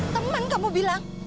temen kamu bilang